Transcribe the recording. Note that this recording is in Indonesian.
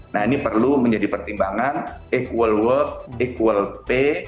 nah ini perlu menjadi pertimbangan equal work equal pay